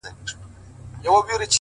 د ښه کار دوام شخصیت جوړوي!